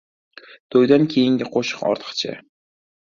• To‘ydan keyingi qo‘shiq ortiqcha.